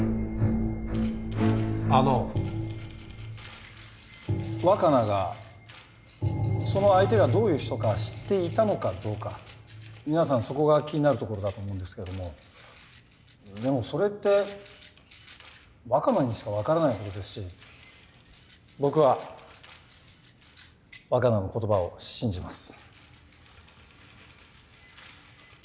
あの若菜がその相手がどういう人か知っていたのかどうか皆さんそこが気になるところだと思うんですけれどもでもそれって若菜にしか分からないことですし僕は若菜の言葉を信じます。